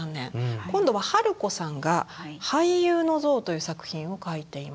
今度は春子さんが「俳優の像」という作品を描いています。